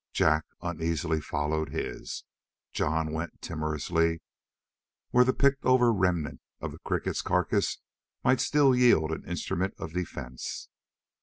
Jak uneasily followed his. Jon went timorously where the picked over remnant of the cricket's carcass might still yield an instrument of defense.